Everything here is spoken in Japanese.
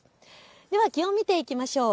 では気温見ていきましょう。